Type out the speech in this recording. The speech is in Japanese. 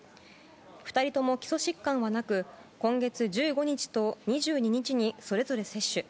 ２人とも基礎疾患はなく今月１５日と２２日にそれぞれ接種。